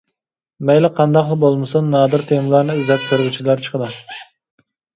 مەيلى قانداقلا بولمىسۇن، نادىر تېمىلارنى ئىزدەپ كۆرگۈچىلەر چىقىدۇ.